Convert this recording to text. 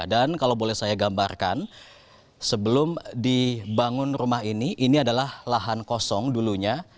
dan kalau boleh saya gambarkan sebelum dibangun rumah ini ini adalah lahan kosong dulunya